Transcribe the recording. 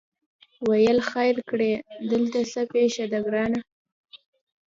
ویل خیر کړې درته څه پېښه ده ګرانه